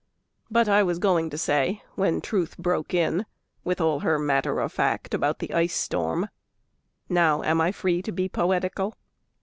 But I was going to say when Truth broke in With all her matter of fact about the ice storm (Now am I free to be poetical?)